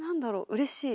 うれしい。